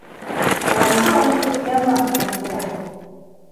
Рауза уны күптән баҫҡан, күрәһең.